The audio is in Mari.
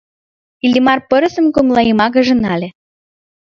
Иллимар пырысым коҥлайымакыже нале.